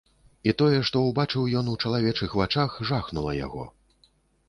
І тое, што ўбачыў ён у чалавечых вачах, жахнула яго.